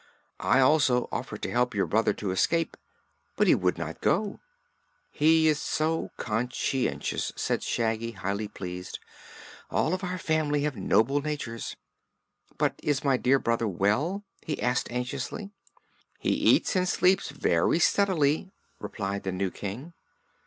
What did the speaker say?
I also offered to help your brother to escape, but he would not go." "He's so conscientious!" said Shaggy, highly pleased. "All of our family have noble natures. But is my dear brother well?" he added anxiously. "He eats and sleeps very steadily," replied the new King.